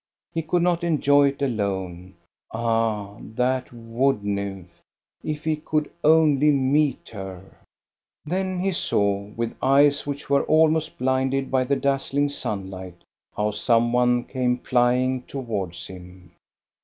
He could not enjoy it alone. Ah, that wood nymph, — if he could only meet her ! Then he saw, with eyes which were almost blinded by the dazzling sunlight, how some one came flying towards him.